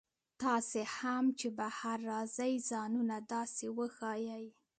تاسي هم چې بهر راځئ ځانونه داسې وښایئ.